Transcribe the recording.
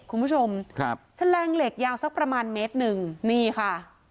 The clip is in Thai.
คุณผู้ชมครับแฉลงเหล็กยาวสักประมาณเมตรหนึ่งนี่ค่ะ